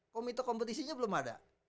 komite kompetisinya belum ada